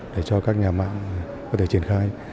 để cho các nhà mạng có thể triển khai